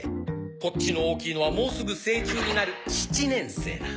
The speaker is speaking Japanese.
こっちの大きいのはもうすぐ成虫になる７年生だ。